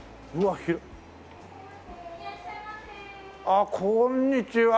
あっこんにちは。